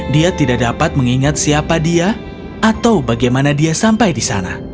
dia tidak dapat mengingat siapa dia atau bagaimana dia sampai di sana